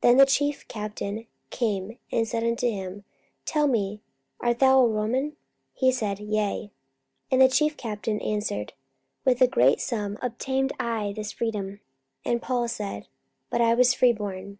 44:022:027 Then the chief captain came, and said unto him, Tell me, art thou a Roman? He said, Yea. 44:022:028 And the chief captain answered, With a great sum obtained I this freedom. And Paul said, But I was free born.